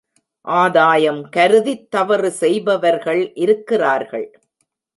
ஆதாயம் கருதித் தவறு செய்பவர்கள் இருக்கிறார்கள்!